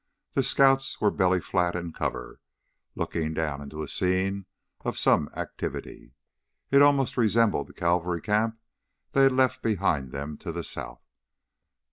The scouts were belly flat in cover, looking down into a scene of some activity. It almost resembled the cavalry camp they had left behind them to the south.